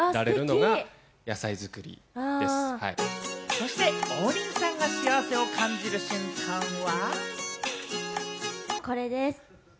そして王林さんが幸せを感じる瞬間は。